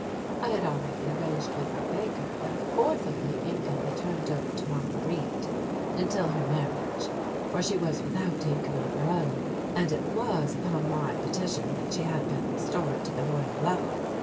I had already arranged with my banker that a fourth of my income be turned over to Marguerite until her marriage, for she was without income of her own, and it was upon my petition that she had been restored to the Royal Level.